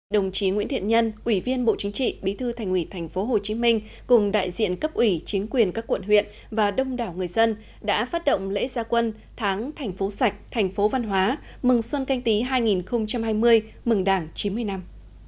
đồng chí nguyễn thiện nhân ủy viên bộ chính trị bí thư thành ủy tp hcm cùng đại diện cấp ủy chính quyền các quận huyện và đông đảo người dân đã phát động lễ gia quân tháng thành phố sạch thành phố văn hóa mừng xuân canh tí hai nghìn hai mươi mừng đảng chín mươi năm